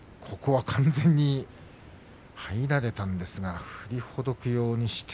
完全に入られましたが振りほどくようにして。